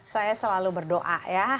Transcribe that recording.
saya selalu berdoa ya